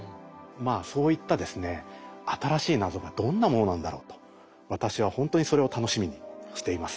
そういったですね新しい謎がどんなものなんだろうと私はほんとにそれを楽しみにしています。